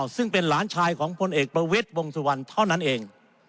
ซึ่งเป็นหลานชายของพลเอกประวิทย์วงสุวรรณเท่านั้นเอง